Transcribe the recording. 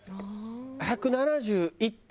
１７１点